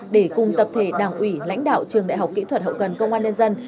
để cùng tập thể đảng ủy lãnh đạo trường đại học kỹ thuật hậu cần công an nhân dân